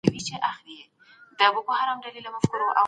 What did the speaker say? ازاد مطبوعات د حقایقو رسولو دنده لري.